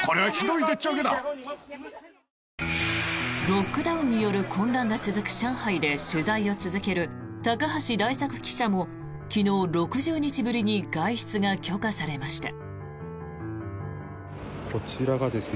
ロックダウンによる混乱が続く上海で取材を続ける高橋大作記者も昨日、６０日ぶりに外出が許可されました。